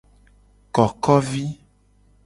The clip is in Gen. Kokovi.